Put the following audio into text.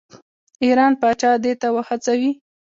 ایران پاچا دې ته وهڅوي.